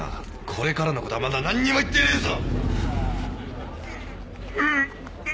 これからのことはまだ何にも言ってねえぞ。